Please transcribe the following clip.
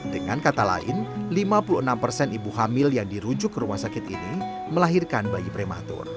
dengan kata lain lima puluh enam persen ibu hamil yang dirujuk ke rumah sakit ini melahirkan bayi prematur